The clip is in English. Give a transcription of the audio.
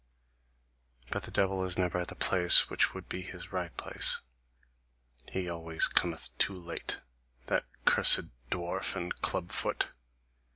But the devil is never at the place which would be his right place: he always cometh too late, that cursed dwarf and club foot!"